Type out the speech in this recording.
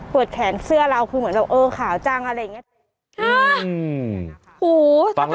แขนเสื้อเราคือเหมือนแบบเออขาวจังอะไรอย่างนี้